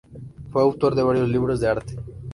Fue autor de varios libros de arte.